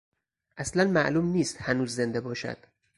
اصلا معلوم نیست هنوز زنده باشد.